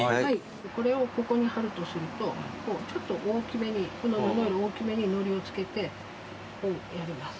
これをここに貼るとするとちょっと大きめにこの布より大きめにのりを付けてこうやります。